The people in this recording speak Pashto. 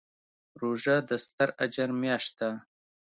روژه د ستر اجر میاشت ده.